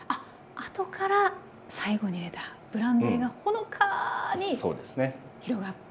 あとから最後に入れたブランデーがほのかに広がって。